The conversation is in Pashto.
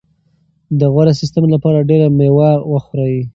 د غوره سیستم لپاره ډېره مېوه وخورئ.